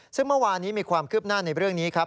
ซึ่งเมื่อวานี้มีความคืบหน้าในเรื่องนี้ครับ